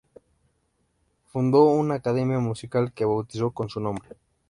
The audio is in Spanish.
Fundó una academia musical que bautizó con su nombre.